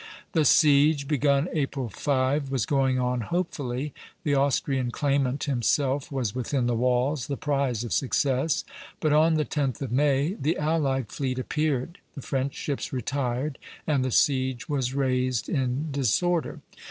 The siege, begun April 5, was going on hopefully; the Austrian claimant himself was within the walls, the prize of success; but on the 10th of May the allied fleet appeared, the French ships retired, and the siege was raised in disorder.